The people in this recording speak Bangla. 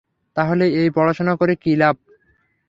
তাহলে এই পড়াশোনা করে কি লাভ?